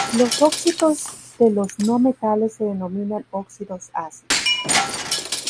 Los óxidos de los no metales se denominan óxidos ácidos.